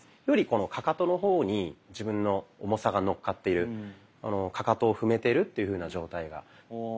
よりこのかかとの方に自分の重さがのっかっているかかとを踏めているというふうな状態が。